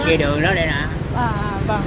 ở kia đường đó đây nè